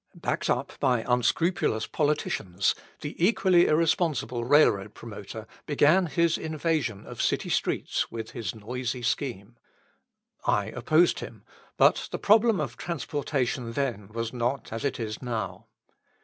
Backed up by unscrupulous politicians, the equally irresponsible railroad promoter began his invasion of city streets with his noisy scheme. I opposed him, but the problem of transportation then was not as it is now.